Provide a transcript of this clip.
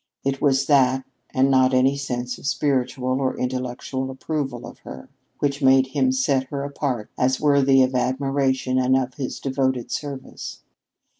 It was that, and not any sense of spiritual or intellectual approval of her, which made him set her apart as worthy of admiration and of his devoted service.